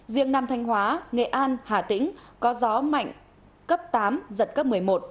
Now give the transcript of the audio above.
riêng nam thanh hóa nghệ an hà tĩnh có gió mạnh cấp tám giật cấp một mươi một